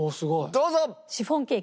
どうぞ！